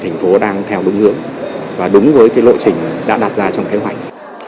thành phố đang theo đúng hướng và đúng với cái lộ trình đã đạt ra trong kế hoạch